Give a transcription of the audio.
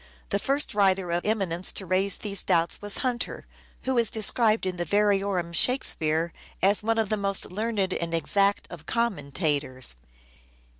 The first writer of eminence to raise these doubts was Hunter, who is described in the " Variorum Shake speare," as " one of the most learned and exact of commentators."